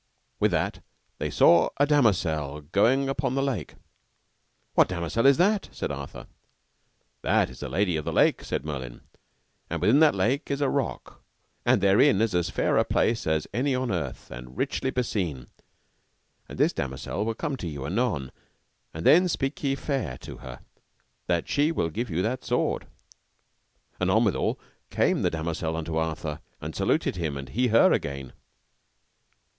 With that they saw a damosel going upon the lake. What damosel is that? said Arthur. That is the Lady of the Lake, said Merlin; and within that lake is a rock, and therein is as fair a place as any on earth, and richly beseen; and this damosel will come to you anon, and then speak ye fair to her that she will give you that sword. Anon withal came the damosel unto Arthur, and saluted him, and he her again.